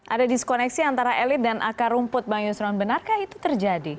ada diskoneksi antara elit dan akar rumput bang yusron benarkah itu terjadi